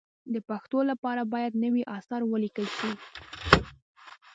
د پښتو لپاره باید نوي اثار ولیکل شي.